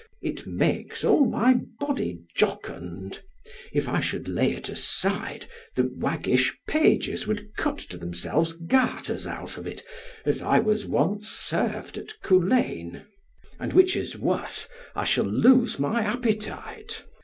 It makes all my body jocund. If I should lay it aside, the waggish pages would cut to themselves garters out of it, as I was once served at Coulaines. And, which is worse, I shall lose my appetite.